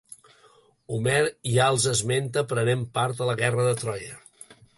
Homer ja els esmenta prenent part a la guerra de Troia.